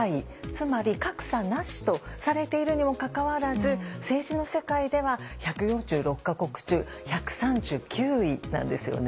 つまり「格差なし」とされているにもかかわらず政治の世界では１４６か国中１３９位なんですよね。